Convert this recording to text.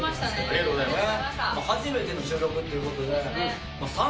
ありがとうございます。